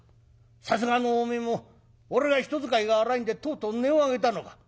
さすがのおめえも俺が人使いが荒いんでとうとう音を上げたのか？」。